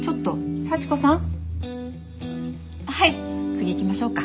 次行きましょうか。